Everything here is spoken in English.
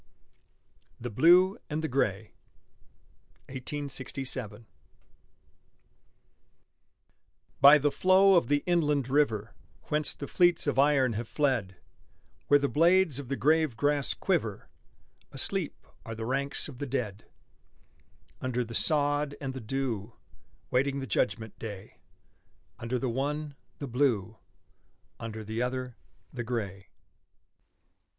THE BLUE AND THE GRAY By the flow of the inland river, Whence the fleets of iron have fled, Where the blades of the grave grass quiver, Asleep are the ranks of the dead: Under the sod and the dew, Waiting the judgment day; Under the one, the Blue, Under the other, the Gray.